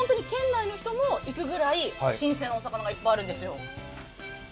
来たことあります、本当に県内の人も行くぐらい新鮮なお魚いっぱいなんですよ。